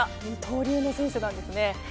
二刀流の選手なんですね。